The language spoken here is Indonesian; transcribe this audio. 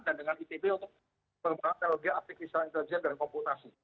dan dengan ipb untuk mengembangkan teknologi artificial intelligence dan komputasi